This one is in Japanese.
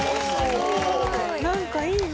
・何かいいな。